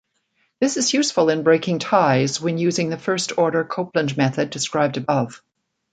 This is useful in breaking ties when using the first-order Copeland method described above.